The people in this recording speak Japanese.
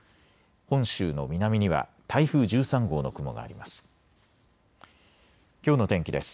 本州の南には台風１３号の雲があります。